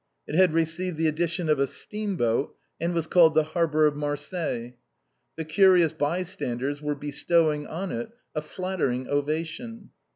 It had received the addition of a steamboat, and •was called " the Harbor of Marseilles." The curious by standers were bestowing on it a flattering ovation.